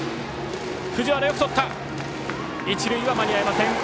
一塁は間に合いません。